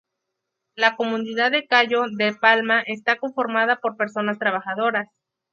La comunidad de Cayo de palma, está conformada por personas trabajadoras.